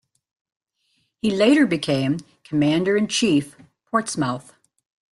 He later became Commander-in-Chief, Portsmouth.